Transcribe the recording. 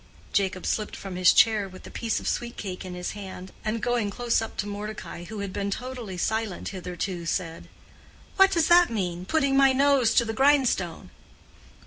Jacob slipped from his chair with the piece of sweet cake in his hand, and going close up to Mordecai, who had been totally silent hitherto, said, "What does that mean—putting my nose to the grindstone?"